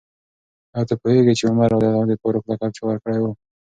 آیا ته پوهېږې چې عمر رض ته د فاروق لقب چا ورکړی و؟